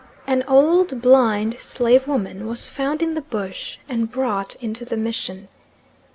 An old blind slave woman was found in the bush, and brought into the mission.